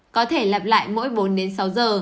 có thể lặp lại mỗi bốn sáu giờ